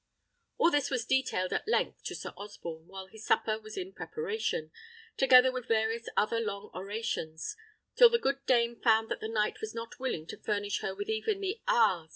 All this was detailed at length to Sir Osborne while his supper was in preparation, together with various other long orations, till the good dame found that the knight was not willing to furnish her with even the _ahs!